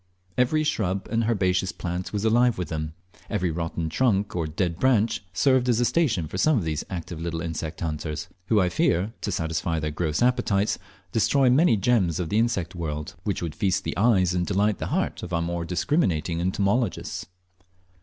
Every shrub and herbaceous plant was alive with them, every rotten trunk or dead branch served as a station for some of these active little insect hunters, who, I fear, to satisfy their gross appetites, destroy many gems of the insect world, which would feast the eyes and delight the heart of our more discriminating entomologists.